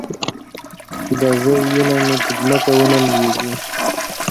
چې د زوى وينه مې په ځمکه ونه لوېږي.